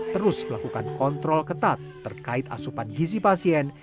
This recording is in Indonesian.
terus melakukan kontrol ketat terkait asupan gizi pasien